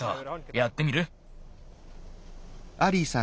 やってみる？